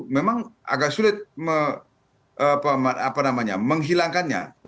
memang agak sulit menghilangkannya